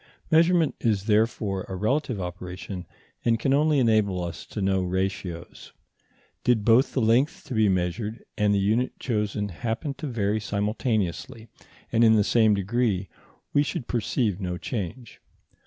Measurement is therefore a relative operation, and can only enable us to know ratios. Did both the length to be measured and the unit chosen happen to vary simultaneously and in the same degree, we should perceive no change.